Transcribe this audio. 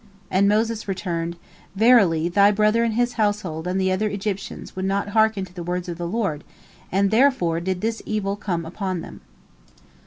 And Moses returned, "Verily, thy brother and his household and the other Egyptians would not hearken to the words of the Lord, therefore did this evil come upon them.